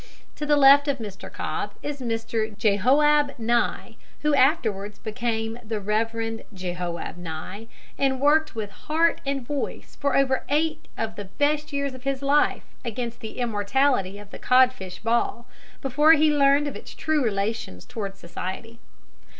To the left of Mr. Cobb is Mr. Jehoab Nye, who afterwards became the Rev. Jehoab Nye and worked with heart and voice for over eight of the best years of his life against the immorality of the codfish ball, before he learned of its true relations towards society.